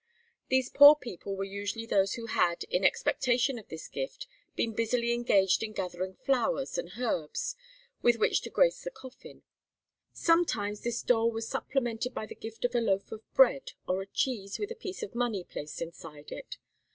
These poor people were usually those who had, in expectation of this gift, been busily engaged in gathering flowers and herbs with which to grace the coffin. Sometimes this dole was supplemented by the gift of a loaf of bread or a cheese with a piece of money placed inside it.